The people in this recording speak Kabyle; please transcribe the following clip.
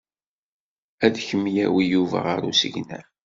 Ad kem-yawi Yuba ɣer usegnaf.